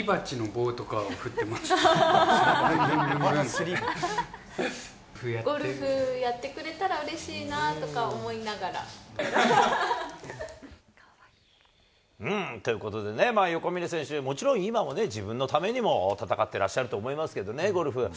ゴルフやってくれたら、ということでね、横峯選手、もちろん今もね、自分のためにも戦ってらっしゃると思いますけどもね、ゴルフ。